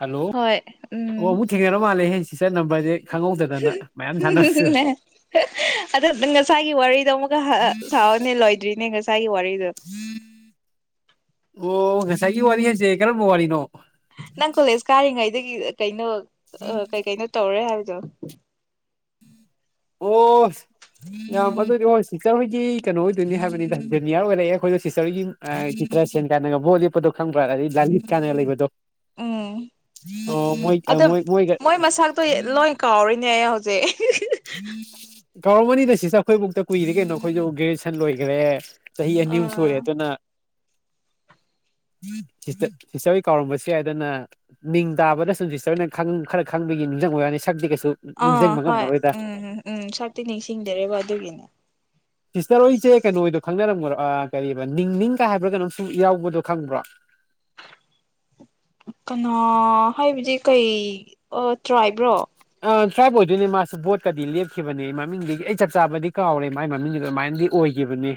hello ꯑꯣꯕꯨ ꯊꯦꯡꯅꯔ ꯃꯥꯜꯂꯦ ꯍꯥꯏꯦ ꯊꯥꯅꯕꯁꯤꯗ ꯑꯗ ꯉꯁꯥꯏꯒꯤ ꯋꯥꯔꯤꯗꯣ ꯑꯃꯨꯛꯀ ꯁꯥꯥꯎꯑꯣꯅꯦ ꯂꯣꯏꯗ꯭ꯔꯤꯅꯦ ꯉꯁꯥꯏ ꯀꯥꯏ ꯋꯥ ꯀꯗꯥ ꯑꯣ ꯉꯁꯥꯏꯒꯤ ꯋꯥꯔꯤ ꯍꯥꯏꯁꯦ ꯀꯔꯝꯕ ꯋꯥꯔꯤꯅꯣ ꯅꯪ ꯀꯂꯦꯁꯀꯔ ꯍꯥꯏꯦ ꯗꯒꯤ ꯀꯩꯅꯣ ꯑ ꯀꯩꯀꯩꯅꯣ ꯇꯧꯔꯦ ꯍꯥꯏꯕ ꯌꯥ ꯑꯣ ꯌꯥꯝ ꯑꯗꯨꯗꯤ ꯑꯣ ꯁꯤꯁꯇꯔ ꯍꯣꯏꯒꯤ ꯀꯩꯅꯣ ꯑꯣꯏꯗꯣꯏꯅꯤ ꯍꯥꯏꯕꯅꯤꯗ ꯖꯨꯅꯤꯌꯔ ꯑꯣꯏꯔꯛꯑꯦ ꯑꯩꯈꯣꯏꯗ ꯁꯤꯁꯇꯔꯒꯤ ꯆꯤꯇ꯭ꯔ ꯁꯦꯟ ꯀꯥꯟꯅꯒ ꯕꯣ ꯂꯦꯞꯄꯗꯣ ꯈꯪꯕ꯭ꯔꯥ ꯑꯗꯗꯤ ꯂꯂꯤꯠ ꯀꯥꯟꯅꯒ ꯂꯩꯕꯗꯣ ꯎꯝ ꯑꯣ ꯃꯣꯏ ꯑꯗꯣ ꯃꯣꯏ ꯃꯣꯏ ꯍꯧꯖꯦ ꯎ ꯀꯥꯎꯔꯝꯃꯅꯤꯗ ꯁꯤꯁꯨ ꯑꯩꯈꯣꯏ ꯃꯨꯛꯇ ꯀꯨꯏꯔꯦ ꯀꯩꯅꯣ ꯑꯩꯈꯣꯏꯁꯨ ꯒ꯭ꯔꯦꯖꯨꯑꯦꯁꯟ ꯂꯣꯏꯈ꯭ꯔꯦ ꯆꯍꯤ ꯅꯌꯨ ꯁꯩꯔꯦ ꯑꯥ ꯑꯗꯨꯅꯥ ꯁꯤꯤꯁꯇꯔꯣꯏ ꯀꯥꯎꯔꯝꯕꯁꯨ ꯌꯥꯏ ꯑꯗꯨꯅ ꯃꯤ ꯅꯤꯡ ꯇꯥꯕꯗ ꯁꯨꯝ ꯁꯤꯁꯇꯔꯅ ꯈꯔ ꯈꯪꯕꯒꯤ ꯅꯤꯡꯁꯤꯡ ꯑꯣꯏ ꯋꯥꯅꯤ ꯁꯛꯇꯤ ꯀꯩ ꯑꯗꯨ ꯑꯥ ꯅꯤꯡꯁꯤꯡꯕ ꯍꯣꯏ ꯉꯝꯃꯔꯣꯏꯗ ꯎꯝ ꯎꯝ ꯁꯛꯇꯤ ꯅꯤꯡꯁꯤꯡꯗ꯭ꯔꯦꯕ ꯑꯗꯨꯒꯤꯅꯦ ꯁꯤꯁꯇꯔ ꯍꯣꯏꯁꯦ ꯀꯩꯅꯣꯗꯣ ꯈꯪꯅꯔꯝꯈ꯭ꯔꯣ ꯀ ꯅꯤꯡꯅꯤꯡꯒ ꯍꯥꯏꯕ꯭ꯔꯥꯒꯅꯣꯝ ꯁꯨꯝ ꯏ ꯌꯥꯎꯕꯗꯣ ꯈꯪꯕ꯭ꯔꯣ ꯀꯅꯥꯣ ꯍꯥꯏꯕꯗꯤ ꯀꯩ ꯇ꯭ꯔꯥꯏꯕ꯭ꯔꯣ ꯇ꯭ꯔꯥꯏꯕ ꯑꯣꯏꯗꯣꯏꯅꯦ ꯃꯥꯁꯨ ꯕꯣꯠꯀꯗꯤ ꯂꯦꯞꯈꯤꯕꯅꯦ ꯃꯃꯤꯡꯗꯒꯤ ꯑꯩ ꯆꯞ ꯆꯥꯕꯗꯤ ꯀꯥꯎꯔꯦ ꯃꯥꯏ ꯃꯃꯤꯡꯗꯨ ꯑꯗꯨꯃꯥꯏꯅꯗꯤ ꯑꯣꯏꯈꯤꯕꯅꯦ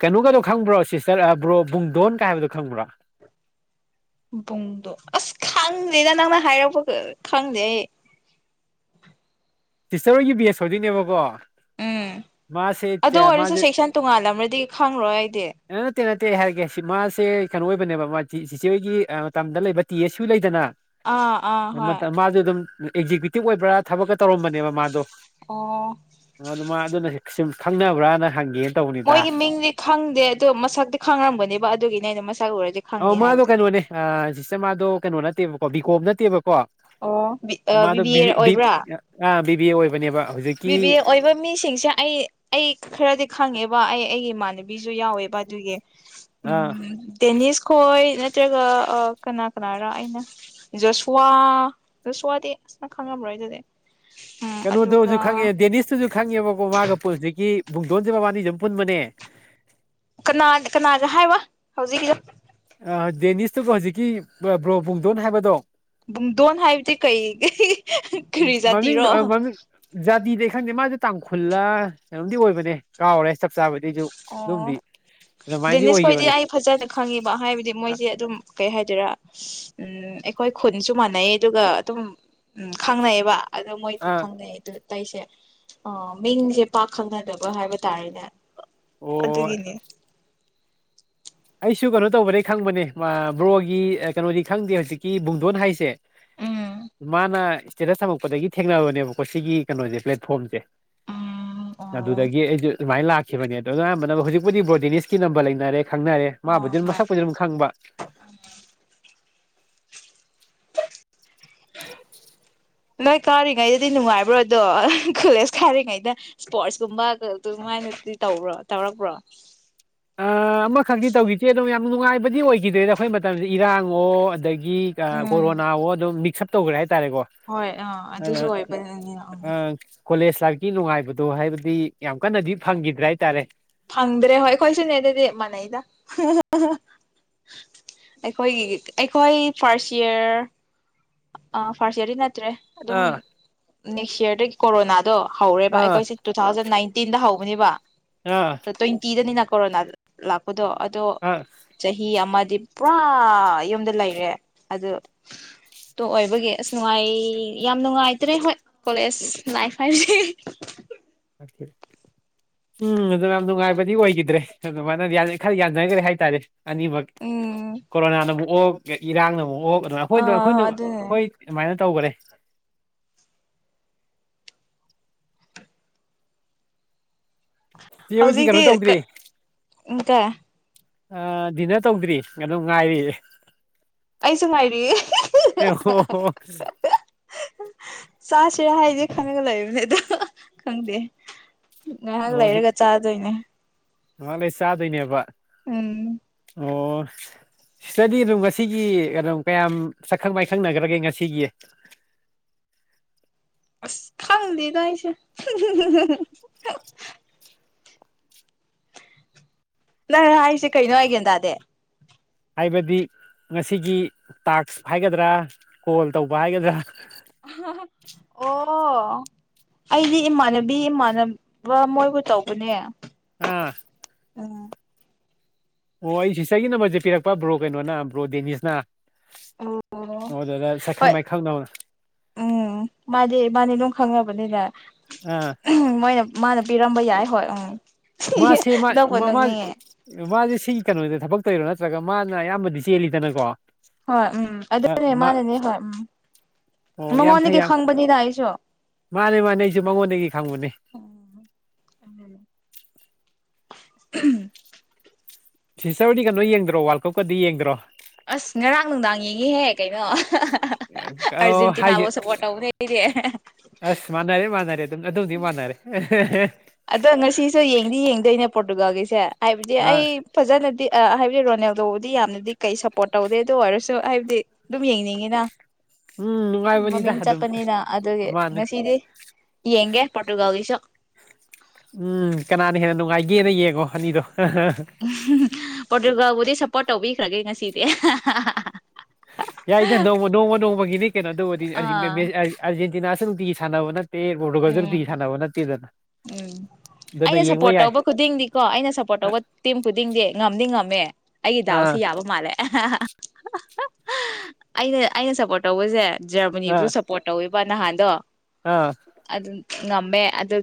ꯀꯩꯅꯣꯒꯗꯣ ꯈꯪꯕ꯭ꯔꯣ ꯁꯤꯁꯇꯔꯕ꯭ꯔꯣ ꯕꯨꯡꯗꯣꯟꯒ ꯍꯥꯏꯕꯗꯣ ꯈꯪꯕ꯭ꯔꯣ ꯄꯕꯨꯡꯗꯣ ꯑꯁ ꯈꯪꯗꯦꯅ ꯅꯪꯅ ꯍꯥꯏꯔꯛꯄ ꯈꯪꯗꯦ ꯑꯩ ꯇꯤꯁꯇꯔ ꯍꯣꯏꯒꯤ ꯕꯤ ꯑꯦꯁ ꯑꯣꯏꯗꯣꯏꯅꯦꯕꯀꯣ ꯎꯝ ꯃꯥꯁꯦ ꯑꯗꯨ ꯑꯣꯏꯔꯁꯨ ꯁꯦꯛꯁꯟ ꯇꯣꯡꯉꯥꯜꯂꯝ꯭ꯔꯗꯤ ꯈꯪꯔꯣ ꯍ ꯇ ꯇꯦ ꯍꯥꯏꯔꯒꯦ ꯁꯤ ꯃꯥꯁꯦ ꯀꯩꯅꯣ ꯑꯣꯏꯕꯅꯦꯕ ꯃꯥ ꯁꯤꯆꯦꯒꯤ ꯃꯇꯝꯗ ꯂꯩꯕ ꯇꯤ ꯑꯦꯁ ꯁꯨ ꯂꯩꯗꯅ ꯑꯥ ꯑꯥ ꯃ ꯍꯣꯏ ꯃꯥꯁꯨ ꯑꯗꯨꯝ ꯑꯦꯛꯖꯤꯀ꯭ꯌꯨꯇꯤꯕ ꯑꯣꯏꯕ꯭ꯔꯥ ꯊꯕꯛꯀ ꯇꯧꯔꯝꯕꯅꯦꯕ ꯃꯥꯗꯣ ꯑꯣ ꯑ ꯑꯗꯨ ꯃꯥ ꯑꯗꯨ ꯅ ꯁꯨꯝ ꯈꯪꯅꯕ꯭ꯔꯅ ꯍꯪꯒꯦꯅ ꯇꯧꯕꯅꯤꯗ ꯃꯣꯏꯒꯤ ꯃꯤꯡꯗꯤ ꯈꯪꯗꯦ ꯣ ꯃꯁꯛꯇꯤ ꯈꯥꯡꯔꯝꯒꯅꯦꯕ ꯑꯗꯨꯒꯤꯅꯦ ꯑꯩꯅꯁ ꯑꯣ ꯃꯥꯗꯨ ꯀꯩꯅꯣꯅꯦ ꯑ ꯁꯤꯁꯦ ꯃꯥꯗꯨ ꯀꯩꯅꯣꯅ ꯦꯕꯀꯣ ꯕꯤꯀꯣꯝ ꯅꯠꯇꯦꯕꯀꯣ ꯑꯣ ꯃꯥꯗꯣ ꯕꯤꯕꯤ ꯑꯦ ꯕꯤ ꯕꯤ ꯑꯣꯏꯕꯅꯦꯕ ꯕꯤꯕꯦ ꯍꯧꯖꯤꯛꯀꯤ ꯑꯣꯏꯕ ꯃꯤꯁꯤꯡꯁꯦ ꯑꯩ ꯑꯩ ꯈꯔꯗꯤ ꯈꯪꯉꯦꯕ ꯕ ꯑꯩ ꯑꯩꯒꯤ ꯏꯃꯥꯟꯅꯕꯤꯁꯨ ꯌꯥꯎꯋꯦꯕ ꯑꯗꯨꯒꯤ ꯑ ꯎꯝ ꯇꯦꯅꯤꯁ ꯈꯣꯏ ꯅꯠꯇ꯭ꯔꯒ ꯀꯅꯥ ꯀꯅꯥꯔꯥ ꯑꯩꯅ ꯖꯁꯋꯥ ꯖꯁꯋꯥꯗꯤ ꯑꯁꯅ ꯈꯪꯉꯃ꯭ꯔꯣꯏ ꯑꯗꯨꯗꯤ ꯎꯝ ꯀꯩꯅꯣꯗꯧꯁꯤ ꯑꯗꯨꯒ ꯗꯦꯅꯤꯁꯁꯨ ꯈ ꯆꯪꯉꯦꯕꯀꯣ ꯃꯥꯒ ꯄꯨꯟꯁꯤꯛꯀꯤ ꯨꯡꯗꯣꯟꯁꯦ ꯃꯕꯥꯅꯤꯁꯨ ꯑꯗꯨꯝ ꯄꯨꯟꯕꯅꯦ ꯀꯅꯥ ꯀꯅꯥꯒ ꯍꯥꯏꯕ ꯍꯧꯖꯤꯛ ꯗꯦꯅꯤꯁꯇꯨꯒ ꯍꯧꯖꯤꯛꯀꯤ ꯕ꯭ꯔꯣꯕꯨꯡꯗꯣꯟ ꯍꯥꯏꯕꯗꯣ ꯗꯣꯟ ꯍꯥꯏꯗꯤꯦ ꯀꯩ ꯀꯔꯤ ꯃꯃꯤ ꯖꯥꯇꯤꯔꯣ ꯃꯃꯤ ꯗꯤꯗ ꯈꯪꯗꯦ ꯃꯥꯁꯦ ꯇꯥꯡꯈꯨꯜꯂꯩꯅꯣꯝꯗꯤ ꯑꯣꯏꯕꯅꯦ ꯀꯥꯎꯔꯦ ꯆꯞ ꯆꯥꯕꯗꯤ ꯑꯩꯁꯨ ꯑꯣ ꯑꯗꯨꯝꯗꯤ ꯑꯗꯨꯃꯥꯏꯅꯗꯤ ꯗꯦꯅꯤꯁ ꯈꯣꯏꯗꯤ ꯑꯣꯏꯈꯤꯕꯅꯦ ꯑꯩ ꯐꯖꯅ ꯈꯪꯉꯦꯕ ꯍꯥꯏꯕꯗꯤ ꯃꯣꯏꯁꯦ ꯑꯗꯨꯝ ꯀꯩ ꯍꯥꯏꯗꯣꯏꯔꯥ ꯎꯝ ꯑꯩꯈꯣꯏ ꯈꯨꯟꯁꯨ ꯃꯥꯟꯅꯩ ꯑꯗꯨꯒ ꯑꯗꯨꯝ ꯎꯝ ꯈꯪꯅꯩꯑꯕ ꯑꯗꯣ ꯃꯣꯏꯗꯤ ꯑꯥ ꯈꯪꯅꯩ ꯑꯗꯨꯗꯤ ꯇꯩꯁꯦ ꯑ ꯃꯤꯡꯁꯦ ꯄꯥꯛꯈꯪꯅꯗꯕ ꯍꯥꯏꯕ ꯇꯥꯔꯦꯅꯦ ꯑꯣ ꯑꯗꯨꯒꯤꯅꯦ ꯑꯩꯁꯨ ꯀꯩꯅꯣ ꯇꯧꯕꯗꯒꯤꯩ ꯈꯪꯕꯅꯦ ꯕ꯭ꯔꯣꯒꯤ ꯀꯩꯅꯣꯗꯤ ꯈꯪꯗꯦ ꯍꯧꯖꯤꯛꯀꯤ ꯕꯨꯡꯗꯣꯟ ꯍꯥꯏꯁꯦ ꯎꯝ ꯃꯥꯅ ꯏꯁꯇꯦꯇꯁ ꯊꯝꯃꯛꯄꯗꯒꯤ ꯊꯦꯡꯅꯕꯅꯦꯕꯀꯣ ꯁꯤꯒꯤ ꯀꯩꯅꯣꯁꯦ ꯄ꯭ꯂꯦꯠꯐꯣꯝꯁꯦ ꯎꯝ ꯑꯣ ꯑꯗꯨꯗꯒꯤ ꯑꯩꯥꯏ ꯂꯥꯛ ꯈꯤꯕꯅꯦ ꯑꯗꯣ ꯑꯌꯥꯝꯥꯟꯕꯅ ꯍꯧꯖꯤꯛꯄꯨ ꯕꯣꯔꯣꯗꯤꯅꯤꯁꯀꯤ ꯅꯝꯕ ꯂꯩꯅꯔꯦ ꯈꯪꯅꯔꯦ ꯍꯣꯏ ꯃꯥꯕꯨꯗꯤ ꯑꯗꯨꯝ ꯍꯣꯏ ꯃꯁꯛꯄꯨꯗꯤ ꯑꯗꯨꯝ ꯈꯪꯕ ꯅꯣꯏ ꯀꯥꯔꯤꯉꯩꯗꯗꯤ ꯅꯨꯡꯉꯥꯏꯕ꯭ꯔꯣ ꯑꯗꯣ ꯀꯣꯂꯦꯖ ꯀꯥꯔꯤꯉꯩꯗ ꯏꯁꯄꯣꯔꯠꯁꯀꯨꯝꯕ ꯑꯗꯨꯃꯥꯏꯅꯗꯤ ꯇꯧꯕ꯭ꯔꯣ ꯇꯧꯔꯛꯄ꯭ꯔꯣ ꯑ ꯑꯃꯈꯤ ꯇꯧꯈꯤꯗꯦ ꯑꯗꯨꯝ ꯌꯥꯝꯅ ꯅꯨꯡꯉꯥꯏꯕꯗꯤ ꯑꯣꯏꯈꯤ ꯁꯤꯗꯗ ꯑꯩꯈꯣꯏ ꯃꯇꯝꯁꯤ ꯏꯔꯥꯡ ꯑꯗꯒꯤ ꯎꯝ ꯀꯣꯔꯣꯅꯥ ꯑꯗꯨꯝ ꯃꯤꯛꯁ ꯑꯞ ꯇꯧꯈ꯭ꯔꯦ ꯍꯥꯏ ꯇꯔꯦ ꯀꯣ ꯍꯣꯏ ꯑꯥ ꯑ ꯑꯗꯨꯁꯨ ꯑꯣꯏꯕꯅꯤꯅ ꯎꯝ ꯑ ꯀꯣꯂꯦꯖ ꯂꯥꯏꯐꯀꯤ ꯅꯨꯡꯉꯥꯏꯕꯗꯣ ꯍꯥꯏꯕꯗꯤ ꯌꯥꯝ ꯀꯟꯅꯗꯤ ꯐꯪꯈꯤꯗ꯭ꯔꯦ ꯍꯥꯏꯇꯥꯔꯦ ꯐꯪꯗ꯭ꯔꯦ ꯍꯣꯏ ꯑꯩꯈꯣꯏꯁꯨꯅꯦ ꯑꯗꯨꯗꯤ ꯃꯥꯟꯅꯩꯗ ꯑꯩꯈꯣꯏꯒꯤ ꯑꯩꯈꯣꯏ ꯐꯥꯔꯁ ꯏꯔ ꯑ ꯐꯥꯔꯁꯔꯤ ꯅ ꯭ꯔꯦ ꯑꯗꯨꯝ ꯑꯥ ꯅꯦꯛꯁ ꯌꯌꯥꯔ ꯀꯣꯔꯣꯅꯥ ꯍꯧꯔꯦꯕ ꯑꯥ ꯑꯩꯈꯣꯏꯁꯤ ꯇꯨ ꯊꯥꯎꯖꯟ ꯅꯥꯏꯟꯇꯤꯟꯗ ꯍꯧ ꯑꯣꯅꯤꯕ ꯑꯥ ꯑ ꯏꯇꯤꯗꯅꯤꯅ ꯀꯣꯔꯣꯅꯥ ꯂꯥꯛꯄꯗꯣ ꯑꯗꯣ ꯑꯥ ꯆꯍꯤ ꯑꯃ ꯗꯤ ꯄꯨꯔꯥ ꯌꯨꯝꯗ ꯂꯩꯔꯦ ꯑꯗꯨ ꯇꯣ ꯑꯣꯏꯕꯒꯤ ꯑꯁ ꯅꯨꯡꯉꯥꯏ ꯌꯥꯝ ꯅꯨꯡꯉꯥꯏꯇ꯭ꯔꯦ ꯍꯣꯏ ꯀꯣꯂꯦꯖ ꯂꯥꯏꯐ ꯍꯥꯏꯁꯦ ꯎꯝ ꯑꯗꯨ ꯌꯥꯝ ꯅꯨꯡꯉꯥꯏꯕꯗꯤ ꯑꯣꯏꯈꯤꯗ꯭ꯔꯦ ꯑꯗꯨꯃꯥꯏꯅ ꯈꯔ ꯌꯥꯖꯈ꯭ꯔꯦ ꯍꯥꯏꯇꯥꯔꯦ ꯑꯅꯤꯕ ꯎꯝ ꯀꯣꯔꯣꯅꯥ ꯑꯅꯕꯨ ꯑꯣ ꯏꯔꯥꯡꯅ ꯃꯑꯣ ꯑꯩꯈꯣꯏꯗꯣ ꯑꯥ ꯑꯩꯈꯣꯏꯅ ꯑꯗꯨꯅꯦ ꯍꯣꯏ ꯑꯗꯨꯃꯥꯏꯅ ꯇꯧꯒꯔꯦ ꯆꯦ ꯍꯣꯏꯗꯤ ꯀꯩꯅꯣ ꯍꯧꯖꯤꯛꯇꯤ ꯀꯥ ꯇꯧꯗ꯭ꯔꯤ ꯑꯝ ꯀꯥꯏ ꯑ ꯗꯤꯟꯅꯔ ꯇꯧꯗ꯭ꯔꯤ ꯑꯗꯨꯝ ꯉꯥꯏꯔꯤ ꯑꯩꯁꯨ ꯉꯥꯏꯔꯤꯌꯦ ꯑꯣ ꯆꯥꯁꯤꯔ ꯍꯥꯏꯁꯦ ꯈꯪꯉꯒ ꯂꯩꯕꯅꯦ ꯑꯗꯣ ꯈꯪꯗꯦ ꯉꯥꯏꯍꯥꯛ ꯂꯩꯔꯒ ꯆꯥꯗꯣꯏꯅꯦ ꯃꯥꯂ ꯁꯥ ꯑꯗꯨꯅꯦꯕ [unintelligible] ꯎꯝ ꯑꯣ ꯁꯤꯗꯗꯤ ꯑꯗꯨꯝ ꯉꯁꯤꯒꯤ ꯀꯝ ꯀꯌꯥꯝ ꯁꯛꯈꯪ ꯃꯥꯏꯈꯪꯅꯈ꯭ꯔꯒꯦ ꯉꯁꯤꯒꯤ ꯑꯁ ꯈꯪꯗꯦꯗ ꯑꯩꯁꯦ ꯅꯪ ꯍꯥꯏꯔꯤꯁꯦ ꯀꯩꯅꯣ ꯑꯩ ꯒꯌꯥꯟ ꯇꯗꯦ ꯍꯥꯏꯕꯗꯤ ꯉꯁꯤꯒꯤ ꯇꯥꯛꯁ ꯍꯥꯏꯒꯗ꯭ꯔꯥ ꯀꯣꯜ ꯇꯧꯕ ꯍꯥꯏꯒꯗ꯭ꯔꯥ ꯑꯣ ꯑꯩꯗꯤ ꯏꯃꯥꯟꯅꯕꯤ ꯏꯃꯥꯟꯅꯕ ꯃꯣꯏꯕꯨ ꯇꯧꯕꯅꯦ ꯑꯥ ꯑꯝ ꯑꯣ ꯑꯩ ꯁꯤꯁꯇꯔꯒꯤ ꯅꯝꯕꯔꯁꯦ ꯄꯤꯔꯛꯄ ꯕ꯭ꯔꯣ ꯀꯩꯅꯣꯅ ꯕ꯭ꯔꯣ ꯗꯦꯅꯤꯁꯅ ꯑꯣ ꯑꯗꯨꯗ ꯁꯛꯈꯪ ꯍꯣꯏ ꯃꯥꯏꯈꯪꯅ ꯎꯝ ꯃꯥꯗꯤ ꯃꯥꯗꯤ ꯑꯗꯨꯝ ꯈꯪꯉꯕꯅꯤꯅ ꯑꯥ ꯃꯣꯏꯅ ꯃꯥꯅ ꯄꯤꯔꯝꯕ ꯌꯥꯏ ꯍꯣꯏ ꯎꯝ ꯃꯥꯁꯤꯦ ꯃꯥ ꯅꯣꯛꯄꯨ ꯅꯣꯛꯅꯤꯡꯉꯦ [unintelligible] ꯁꯤꯒꯤ ꯀꯩꯅꯣꯗ ꯊꯕꯛ ꯇꯧꯔꯣ ꯅꯠꯇ꯭ꯔꯒ ꯃꯥꯅ ꯑꯌꯥꯝꯕꯗꯤ ꯆꯦꯜꯂꯤꯗꯅꯀꯣ ꯍꯣꯏ ꯎꯝ ꯑꯗꯨꯅꯦ ꯃꯥ ꯃꯥꯅꯅꯦ ꯍꯣꯏ ꯎꯝ ꯑꯣ ꯌꯥꯝ ꯐꯩ ꯃꯉꯣꯟꯗꯒꯤꯗꯒꯤ ꯌꯥꯝ ꯈꯪꯕꯅꯤꯅ ꯑꯩꯁꯨ ꯃꯥꯅꯦ ꯃꯥꯅꯦ ꯑꯩꯁꯨ ꯃꯉꯣꯟꯗꯒꯤ ꯈꯪꯕꯅꯦ ꯎꯝ [unintelligible] ꯁꯤꯁꯇꯔ ꯍꯣꯏꯗꯤ ꯀꯩꯅꯣ ꯌꯦꯡꯗ꯭ꯔꯣ ꯋꯥꯔꯜ ꯀꯞꯀꯗꯤ ꯌꯦꯡꯗ꯭ꯔꯣ ꯑꯁ ꯉꯔꯥꯡ ꯅꯨꯡꯗꯥꯡ ꯌꯦꯡꯉꯤ ꯍꯦ ꯀꯩꯅꯣ ꯑꯣ ꯍꯥꯏꯁꯦ ꯑꯥꯔꯖꯦꯟꯇꯤꯅꯥꯕꯨ ꯁꯞꯄꯣꯔꯠ ꯇꯧꯕꯅꯦ ꯑꯩꯗꯤ ꯑꯗꯨꯗꯤ ꯃꯥꯟꯅꯔꯦ ꯍꯦ ꯍꯦ ꯑꯗꯣ ꯉꯁꯤꯁꯨ ꯌꯦꯡꯗꯤ ꯌꯦꯡꯗꯣꯏꯅꯦ ꯄꯣꯔꯇꯨꯒꯥꯜꯒꯤꯁꯦ ꯍꯥꯏꯕꯗꯤ ꯑ ꯑꯩ ꯐꯖꯅꯗꯤ ꯑꯥ ꯍꯥꯏꯕꯗꯤ ꯔꯣꯅꯦꯜꯗꯣ ꯌꯥꯝꯅꯗꯤ ꯀꯩ ꯁꯞꯄꯣꯔꯠ ꯇꯧꯗꯦ ꯑꯗꯨ ꯑꯣꯏꯔꯁꯨ ꯍꯥꯏꯕꯗꯤ ꯑꯗꯨꯝ ꯌꯦꯡꯅꯤꯡꯉꯤꯅ ꯎꯝ ꯅꯨꯡꯉꯥꯏꯕꯅꯤꯗ ꯃꯃꯤꯡ ꯑꯗꯨꯝ ꯆꯠꯄꯅꯤꯅ ꯑꯗꯨꯒꯤ ꯃꯥꯅꯦ ꯉꯁꯤꯗꯤ ꯌꯦꯡꯒꯦ ꯄꯣꯔꯇꯨꯒꯜꯒꯤꯁꯨ ꯎꯝ ꯀꯅꯥꯅ ꯍꯦꯟꯅ ꯅꯨꯡꯉꯥꯏꯒꯦꯅ ꯌꯦꯡꯉꯣ ꯑꯅꯤꯗꯣ ꯎꯝ ꯄꯣꯔꯇꯨꯒꯜꯕꯨꯗꯤ ꯁꯄꯣꯔꯠ ꯇꯧꯕꯤꯈ꯭ꯔꯒꯦ ꯉꯁꯤꯗꯤ ꯌꯥꯏꯗ ꯅꯣꯡꯃ ꯅꯣꯡꯃ ꯅꯣꯡꯃꯒꯤ ꯀꯩꯅꯣ ꯑꯗꯨꯕꯨꯗꯤ ꯑꯥ ꯑꯔꯖꯦꯟꯇꯤꯅꯥꯁꯨ ꯇ ꯁꯥꯟꯅꯕꯕꯅ [unintelligible] ꯇꯦ ꯄꯣꯔꯇꯨꯒꯜꯁꯨ ꯅꯨꯡꯇꯤꯒꯤ ꯎꯝ ꯁꯥꯟꯅꯕ ꯅꯠꯇꯦꯗꯅ ꯎꯝ ꯑꯗꯨꯅ ꯑꯩꯅ ꯌꯦꯡꯕ ꯁꯞꯄꯣꯔꯠ ꯌꯥꯏ ꯇꯧꯕ ꯈꯨꯗꯤꯡꯗꯤꯀꯣ ꯑꯩꯅ ꯁꯞꯄꯣꯔꯠ ꯇꯧꯕ ꯇꯤꯝ ꯈꯨꯗꯤꯡꯗꯤ ꯉꯝꯗꯤ ꯉꯝꯃꯦ ꯑꯩꯒꯤ ꯑꯥ ꯗꯥꯎꯁꯤ ꯌꯥꯕ ꯃꯥꯜꯂꯦ ꯑꯩꯅ ꯑꯩꯅ ꯁꯞꯄꯣꯔꯠ ꯇꯧꯕꯁꯦ ꯖꯔꯃꯅꯤꯁꯨ ꯑꯥ ꯁꯄꯣꯔꯠ ꯇꯧꯋꯦꯕ ꯑꯦꯕ ꯅꯍꯥꯟꯗꯣ ꯑꯥ ꯑꯗꯨ ꯉꯝꯃꯦ ꯑꯗꯨ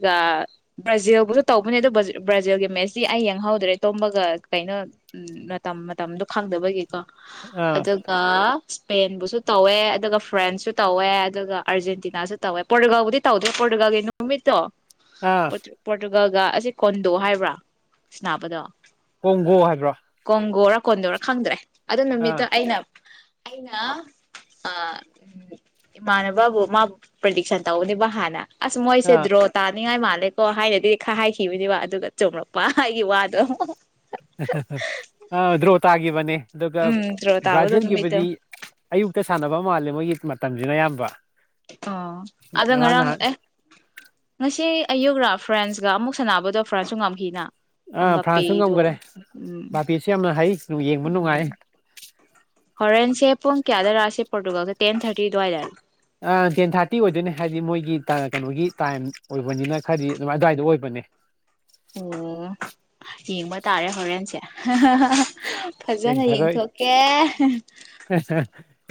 ꯕ꯭ꯔꯥꯖꯤꯜꯕꯨꯁꯨ ꯇꯧꯕꯅꯦ ꯑꯗꯨꯣ ꯕ꯭ꯔꯥꯖꯤꯜꯒꯤ ꯃꯦꯠꯁꯇꯤ ꯑꯩ ꯌꯦꯡꯍꯧꯗ꯭ꯔꯦ ꯇꯨꯝꯕꯒ ꯀꯩꯅꯣ ꯎꯝ ꯃꯇꯝ ꯃꯇꯝꯗꯣ ꯈꯪꯗꯕꯒꯤ ꯑꯥ ꯑꯗꯨꯒ ꯏꯁꯄꯦꯟꯕꯨꯁꯨ ꯇꯧꯋꯦ ꯑꯗꯨꯒ ꯐ꯭ꯔꯦꯟꯁꯁꯨ ꯇꯧꯋꯦ ꯑꯗꯨꯒ ꯑꯔꯖꯦꯟꯇꯤꯅꯥꯁꯨ ꯇꯧꯋꯦ ꯄꯣꯔꯇꯨꯒꯜꯕꯨꯗꯤ ꯇꯧꯗꯦ ꯄꯣꯔꯇꯨꯒꯜꯒꯤ ꯅꯨꯃꯤꯠꯇꯣ ꯑꯥ ꯄꯣꯔꯇꯨꯒꯜ ꯒꯜꯒ ꯑꯁꯤ ꯀꯣꯟꯗꯣ ꯍꯥꯏꯕ꯭ꯔꯥ ꯁꯅꯥꯕꯗꯣ ꯀꯣꯡꯒꯣ ꯍꯥꯏꯕ꯭ꯔꯥ ꯀꯣꯟꯗꯣ ꯔꯥ ꯈꯪꯗ꯭ꯔꯦ ꯑꯗꯨ ꯅꯨꯃꯤꯠꯇꯣ ꯑꯩꯅ ꯑꯩꯅ ꯑ ꯏꯃꯥꯟꯅꯕꯕꯨ ꯃꯥꯕꯨ ꯄ꯭ꯔꯗꯤꯛꯁꯟ ꯇꯧꯕꯅꯦꯕ ꯍꯥꯟꯅ ꯑꯁ ꯃꯣꯏꯁꯦ ꯑꯥ ꯗꯔ꯭ꯔꯠ ꯇꯥꯅꯤꯡꯉꯥꯏ ꯃꯥꯜꯂꯦꯀꯣ ꯍꯥꯏꯅꯗꯤ ꯍꯥꯏꯈꯤꯕꯅꯦꯕ ꯑꯗꯨꯒ ꯆꯨꯝꯡꯂꯛꯄ ꯑꯩꯒꯤ ꯋꯥꯗꯣ ꯑꯃꯨꯛ ꯑꯥ ꯗ꯭ꯔꯣ ꯇꯥꯈꯤꯕꯅꯦ ꯑꯗꯨꯒ ꯎꯝ ꯗ꯭ꯔꯣ ꯇꯥꯕꯗꯣ ꯅꯨꯃꯤꯠꯇꯣ ꯕ꯭ꯔꯥꯖꯤꯜꯒꯤꯕꯨꯗꯤ ꯑꯌꯨꯛ ꯁꯥꯟꯅꯕ ꯃꯥꯂꯦ ꯃꯣꯏꯒꯤ ꯃꯇꯝꯁꯤꯅ ꯑꯌꯥꯝꯕ ꯑꯣ ꯑꯗꯣ ꯉꯔꯥꯡ ꯑꯦ ꯉꯁꯤ ꯑꯌꯨꯛ ꯂꯥ ꯐ꯭ꯔꯥꯟꯁ ꯀ ꯑꯃꯨꯛ ꯁꯥꯟꯅꯕꯗꯣ ꯐ꯭ꯔꯥꯟꯁꯁꯨ ꯉꯝꯈꯤꯅ ꯑꯥ ꯐ꯭ꯔꯥꯟꯁꯁꯨ ꯑꯝꯕꯄꯦꯗꯣ ꯉꯝꯈꯔꯦ ꯎꯝ ꯚꯥꯄꯦꯁꯨ ꯌꯥꯝꯅ ꯍꯩ ꯌꯦꯡꯕ ꯎꯝ ꯅꯨꯡꯉꯥꯏ ꯍꯣꯔꯦꯟꯁꯦ ꯄꯨꯡ ꯀꯌꯥꯗ ꯔꯥ ꯁꯤ ꯄꯣꯔꯇꯨꯒꯥꯜꯁꯦ ꯇꯦꯟ ꯊꯥꯔꯇꯤ ꯑꯗꯨꯋꯥꯏꯗꯏꯗꯔꯥ ꯑ ꯇꯦꯟ ꯊꯥꯔꯇꯤ ꯑꯣꯏꯗꯣꯏꯅꯦ ꯍꯥꯏꯗꯤ ꯃꯣꯏꯒꯤ ꯀꯩꯅꯣꯒꯤ ꯇꯥꯏꯝ ꯑꯣꯏꯕꯅꯤꯅ ꯈꯔꯗꯤ ꯑꯗꯨꯋꯥꯏꯗ ꯑꯣꯏꯕꯅꯦ ꯑꯣ ꯌꯦꯡꯕ ꯇꯥꯔꯦ ꯍꯣꯔꯦꯟꯁꯦ ꯐꯖꯅ ꯌꯦꯡꯊꯔꯣꯏ ꯌꯦꯡꯊꯣꯛꯀꯦ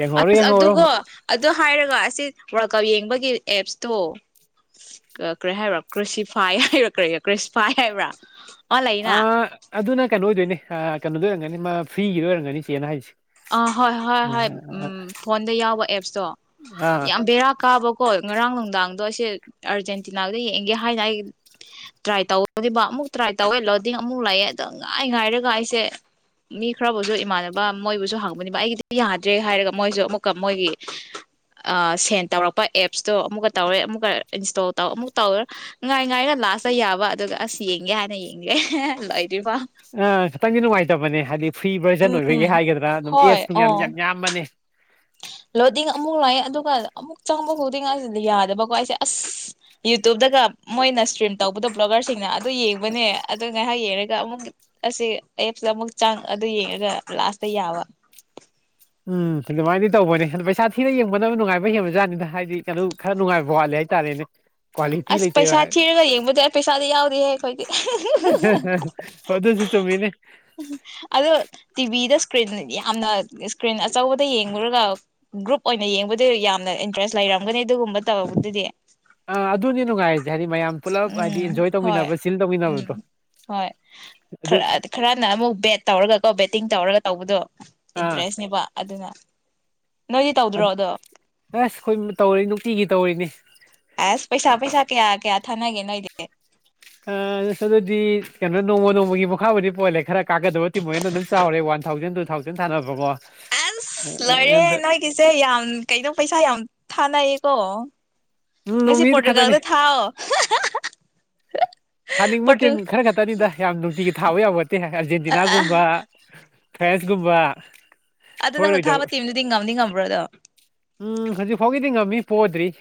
ꯌꯦꯡꯍꯧꯔꯣ ꯑꯁ ꯌꯦꯡꯍꯧꯔꯣ ꯑꯗꯨꯣ ꯑꯗꯨ ꯍꯥꯏꯔꯒ ꯑꯁꯤ ꯋꯥꯔꯀꯞ ꯌꯦꯡꯕꯒꯤ ꯑꯦꯞꯁꯇꯣ ꯀꯔꯤ ꯍꯥꯏꯕ꯭ꯔꯥ ꯀ꯭ꯔꯤꯁꯤꯐꯥꯏ ꯍꯥꯏ꯭ꯔꯥ ꯀꯔꯤ ꯀ꯭ꯔꯤꯁꯤꯐꯥꯏ ꯍꯥꯏꯕ꯭ꯔꯥ ꯑ ꯑꯗꯨꯅ ꯀꯩꯅꯣ ꯑꯣꯏꯗꯣꯏꯅꯦ ꯀꯩꯅꯣꯗ ꯑꯣꯏꯔꯝꯒꯅꯤ ꯃꯥ ꯐ꯭ꯔꯤꯒꯤꯗ ꯑꯣꯏꯔꯝꯒꯅꯤ ꯆꯦꯅ ꯍꯥꯏꯔꯤꯁꯦ ꯑꯥ ꯍꯣꯏ ꯍꯣꯏ ꯍꯣꯏ ꯎꯝ ꯐꯣꯟꯗ ꯌꯥꯎꯕ ꯑꯦꯞꯁꯇꯣ ꯑꯥ ꯌꯥꯝ ꯕꯦꯔꯥ ꯀꯥꯕ ꯍꯣꯏ ꯉꯔꯥꯡ ꯅꯨꯡꯗꯥꯡꯗꯣ ꯑꯩꯁꯦ ꯑꯥꯔꯖꯦꯟꯇꯤꯅꯥꯗ ꯌꯦꯡꯒꯦ ꯍꯥꯏꯅ ꯑꯩ ꯇ꯭ꯔꯥꯏ ꯇꯧꯅꯦꯕ ꯑꯃꯨꯛ ꯇ꯭ꯔꯥꯏ ꯇꯧꯋꯦ ꯂꯣꯗꯤꯡ ꯑꯃꯨꯛ ꯂꯥꯛꯑꯦ ꯑꯗꯣ ꯉꯥꯏ ꯉꯥꯏꯔꯒ ꯑꯩꯁꯦ ꯃꯤ ꯈꯔꯕꯨꯁꯨ ꯏꯃꯥꯟꯅꯕ ꯃꯣꯏꯕꯨꯁꯨ ꯍꯥꯡꯕꯅꯤꯕ ꯑꯩꯒꯤꯗꯤ ꯌꯥꯗ꯭ꯔꯦ ꯍꯥꯏꯔꯒ ꯃꯣꯏꯁꯨ ꯑꯃꯨꯛꯀ ꯃꯣꯏꯒꯤ ꯁꯦꯟ ꯇꯧꯔꯛꯄ ꯑꯦꯞꯁꯇꯣ ꯑꯃꯨꯛꯀ ꯇꯧꯔꯦ ꯑꯃꯨꯛꯀ ꯏꯟꯁꯇꯣꯜ ꯇꯧ ꯑꯃꯨꯛ ꯇꯧꯋꯦ ꯉꯥꯏ ꯉꯥꯏꯔ ꯂꯥꯁꯇ ꯌꯥꯕ ꯑꯗꯨꯒ ꯑꯁ ꯌꯦꯡꯒꯦ ꯍꯥꯏꯅ ꯌꯦꯡꯒꯦ ꯂꯣꯏꯗ꯭ꯔꯤꯕ ꯑ ꯇꯪꯅꯉꯥꯏꯇ ꯃꯅꯦ ꯍꯥꯏꯗꯤ ꯐ꯭ꯔꯤ ꯚꯔꯖꯟ ꯎꯝ ꯑꯣꯏꯕꯒꯤ ꯍꯥꯏꯒꯗ꯭ꯔꯥ ꯑꯗꯨꯝ ꯍꯣꯏ ꯑꯦꯗꯁꯀ ꯃꯌꯥꯝ ꯑꯣ ꯌꯥꯝ ꯌꯥꯝꯕꯅꯦ ꯂꯣꯗꯤꯡ ꯑꯃꯨꯛ ꯂꯥꯛꯑꯦ ꯑꯗꯨꯒ ꯑꯃꯨꯛ ꯆꯪꯕ ꯈꯨꯗꯤꯡ ꯌꯥꯗꯕꯀꯣ ꯑꯩꯁꯦ ꯑꯁ ꯌꯨꯇ꯭ꯨꯕꯇꯒ ꯃꯣꯏꯅ ꯏꯁꯇ꯭ꯔꯤꯝ ꯇꯧꯕꯗꯣ ꯕ꯭ꯂꯣꯒꯔꯁꯤꯡꯅ ꯑꯗꯨ ꯌꯦꯡꯕꯅꯦ ꯑꯗꯨ ꯉꯥꯏꯍꯥꯛ ꯌꯦꯡꯉꯒ ꯑꯃꯨꯛ ꯑꯁꯤꯁ ꯑꯦꯞꯁꯇ ꯑꯃꯨꯛ ꯆꯪ ꯑꯗꯨ ꯌꯦꯡꯉꯒ ꯂꯥꯁꯇ ꯌꯥꯕ ꯎꯝ ꯑꯗꯨꯃꯥꯏꯅꯗꯤ ꯇꯧꯕꯅꯦ ꯑ ꯄꯩꯁꯥ ꯊꯤꯅ ꯌꯦꯡꯕꯅꯕ ꯅꯨꯡꯉꯥꯏꯕ ꯍꯦꯟꯕꯖꯥꯠꯅꯤꯅ ꯍꯥꯏꯗꯤ ꯀꯩꯅꯣ ꯈꯔ ꯅꯨꯡꯉꯥꯏꯕ ꯋꯥꯠꯂꯦ ꯍꯥꯏꯇꯥꯔꯦꯅꯦ ꯀ꯭ꯋꯥꯂꯤꯇꯤ ꯑꯁ ꯂꯩꯇꯦꯕ ꯄꯩꯁꯥꯤ ꯂꯩꯒ ꯌꯦꯕꯨꯔ ꯄꯩꯁꯥꯗ ꯌꯥ ꯈꯣꯏ ꯨꯁꯨ ꯇꯨꯃꯤꯅꯦ ꯑꯗꯣ ꯇꯤꯚꯤꯗ ꯏꯁꯀ꯭ꯔꯤꯟ ꯌꯥꯝꯅ ꯏꯁꯀ꯭ꯔꯤꯟ ꯑꯆꯧꯕꯗ ꯌꯦꯡꯉꯨꯔꯒ ꯒ꯭ꯔꯨꯞ ꯑꯣꯏꯅ ꯌꯦꯡꯕꯗ ꯌꯥꯝꯅ ꯏꯟꯇꯔꯦꯁ ꯂꯩꯔꯝꯒꯅꯤ ꯑꯗꯨꯒꯨꯝꯕ ꯇꯕꯗꯨꯗꯤ ꯑꯥ ꯑꯗꯨꯅꯤ ꯅꯨꯡꯉꯥꯏꯔꯤꯁꯦ ꯍꯥꯏꯗꯤ ꯃꯌꯥꯝ ꯄꯨꯜꯂꯞ ꯍꯥꯏꯗꯤ ꯎꯝ ꯑꯦꯟꯖꯣꯏ ꯍꯣꯏ ꯇꯧꯃꯤꯟꯅꯕ ꯆꯤꯜ ꯎꯝ ꯇꯧꯃꯤꯟꯅꯕꯗꯣ ꯑꯗꯨ ꯍꯣꯏꯔ ꯈꯔꯅ ꯑꯃꯨꯛ ꯕꯦꯠ ꯇꯧꯔꯒꯀꯣ ꯕꯦꯠꯇꯤꯡ ꯇꯧꯔꯒ ꯇꯧꯕꯗꯣ ꯑꯥ ꯏꯟꯇꯔꯦꯁꯅꯦꯕ ꯑꯗꯨꯅ ꯅꯣꯏꯗꯤ ꯇꯧꯗ꯭ꯔꯣ ꯑꯗꯣ ꯑꯁ ꯑꯩꯈꯣꯏ ꯇꯧꯔ ꯅꯨꯡꯇꯤꯒꯤ ꯇꯧꯔꯤꯅꯤ ꯑꯁ ꯄꯩꯁꯥ ꯄꯩꯁꯥ ꯀꯌꯥ ꯀꯌꯥ ꯊꯥꯅꯒꯦ ꯅꯣꯏꯗꯤ ꯑ ꯑꯗꯨꯗꯤ ꯀꯩꯅꯣ ꯅꯣꯡꯃ ꯅꯣꯡꯃꯒꯤ ꯃꯈꯥꯕꯨꯗꯤ ꯄꯣꯍꯜꯂꯦ ꯈꯔ ꯀꯥꯒꯗꯕꯗꯤꯤ ꯃꯣꯏꯅ ꯑꯗꯨꯝ ꯆꯥꯎꯔꯦ ꯋꯥꯟ ꯊꯥꯎꯖꯟꯗ ꯇꯨ ꯊꯥꯎꯖꯟ ꯊꯥꯅꯕꯔꯕꯕꯣ ꯑꯁ ꯂꯣꯏꯔꯦ ꯅꯣꯏꯒꯤꯁꯦ ꯌꯥꯝ ꯀꯩꯅꯣ ꯄꯩꯁꯥ ꯌꯥꯝ ꯊꯥꯅꯩ ꯀꯣ ꯅ ꯁꯤ ꯅꯨꯃꯤꯠ ꯄꯣꯇꯔ ꯈꯛꯇꯅꯤ ꯀꯗ ꯊꯥꯑꯣ ꯍꯥꯅꯤꯡꯕ ꯇꯤꯝ ꯈꯔ ꯈꯛꯇꯅꯤꯗ ꯌꯥꯝ ꯅꯨꯡꯇꯤꯒꯤ ꯊꯥꯕ ꯌꯥꯎ ꯅꯠꯇꯦ ꯑ ꯑꯔꯖꯦꯟꯇꯤꯅꯥꯒꯨꯝꯕ ꯐꯦꯁꯕꯨꯛꯕꯥ ꯑꯗꯨ ꯅꯪꯅ ꯊꯥꯕ ꯇꯤꯝꯗꯨꯗꯤ ꯉꯝꯗꯤ ꯉꯝꯕ꯭ꯔꯣꯗꯣ ꯀꯗꯤ ꯉꯝꯃꯤ ꯄꯣꯗ꯭ꯔꯤ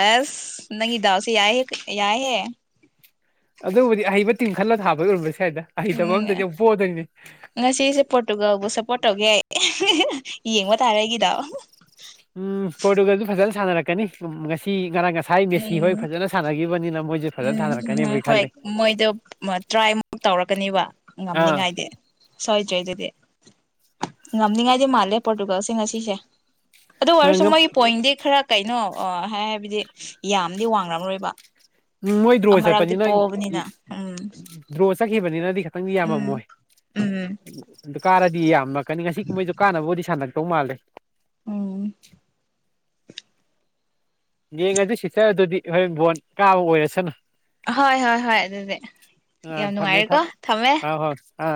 ꯑꯁ ꯅꯪꯗꯥꯎꯁꯤ ꯌꯥꯏ ꯍ ꯌꯥꯏ ꯍ ꯑꯗꯨꯕꯨꯗꯤ ꯑꯩꯕ ꯇꯤꯡ ꯈꯜꯂ ꯊꯥꯕꯒꯤ ꯑꯣꯏꯔꯁꯦ ꯎ ꯉ ꯁꯤꯁꯦ ꯄꯇꯒ ꯄꯨꯁ ꯄꯣ ꯇꯧꯒꯦ ꯌꯦꯡꯕ ꯇꯥꯔꯦ ꯑꯩꯒꯤꯗꯣ ꯎꯝ ꯄꯣꯔꯇꯨꯒꯜꯁꯨ ꯐꯖꯅ ꯁꯥꯟꯅꯔꯛꯀꯅꯤ ꯉꯁꯤ ꯉꯔꯥꯡ ꯉꯁꯥꯏ ꯃꯦꯁꯤ ꯍꯣꯏ ꯐꯖꯅ ꯁꯥꯟꯅꯈꯤꯕꯅꯤꯅ ꯃꯣꯏꯁꯨ ꯐꯖꯅ ꯎꯝꯝ ꯁꯥꯟꯅꯔꯛꯀꯅꯦꯕꯨꯗꯤ ꯍꯣꯏ ꯈꯜꯂꯤ ꯃꯣꯏꯗꯣ ꯇ꯭ꯔꯥꯏꯃꯨꯛ ꯇꯧꯔꯛꯀꯅꯤꯕ ꯉꯝꯅꯤꯉꯥꯏꯗꯤ ꯁꯣꯏꯗ꯭ꯔꯔꯤ ꯑꯗꯨꯗꯤ ꯉꯝꯅꯤꯉꯥꯏꯗꯤ ꯃꯥꯜꯂꯦ ꯄꯣꯔꯇꯨꯒꯜꯁ ꯉꯁꯤꯁꯦ ꯑꯗꯨ ꯑꯣꯏꯔꯁꯨ ꯑꯥ ꯃꯣꯏꯒꯤ ꯄꯣꯏꯟꯗꯤ ꯈꯔ ꯀꯩꯅꯣ ꯑ ꯍꯥꯏ ꯍꯥꯏꯕꯗꯤ ꯌꯥꯝꯗꯤ ꯋꯥꯡꯡꯂꯝꯔꯣꯏꯕ ꯎꯝ ꯃꯣꯏ ꯗ꯭ꯔꯣ ꯆꯠꯄꯅꯤꯅ ꯎꯝ ꯗ꯭ꯔꯣ ꯆ ꯀꯈꯤꯕꯕꯅꯤꯅꯗꯤ ꯈꯪꯗꯤ ꯎꯝ ꯌꯥꯝꯃꯝꯃꯣꯏ ꯎꯝ ꯑꯗꯨ ꯀꯔꯗꯤꯌꯦ ꯌꯥꯝ ꯑꯃꯅ ꯀꯅꯤ ꯉꯁꯤ ꯀꯨꯝꯩꯁꯨ ꯀꯥꯟꯅꯕꯕꯨꯗꯤ ꯁꯥꯟꯅꯛꯦ ꯆꯧ ꯃꯥꯜꯂꯦ ꯎꯝ ꯌꯦꯡꯉ ꯑꯗꯨ ꯁꯤꯆꯔ ꯑꯗꯨꯗꯤ ꯍꯣꯔꯦꯟ ꯕꯣꯟ ꯀꯥꯕ ꯑꯣꯏꯔꯁꯅꯨ ꯍꯣꯏ ꯍꯣꯏ ꯍꯣꯏ ꯑꯗꯨꯗꯤ ꯑꯥ ꯌꯥꯝ ꯊꯝꯃꯦ ꯅꯨꯡꯉꯥꯏꯔꯦꯀꯣ ꯊꯝ ꯊꯝꯃꯦ ꯑꯥ ꯍꯣꯏ ꯑꯥ